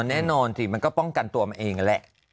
แน่นอนสิมันก็ป้องกันตัวมันเองนั่นแหละ